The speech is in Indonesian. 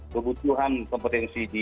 kebutuhan kompetensi di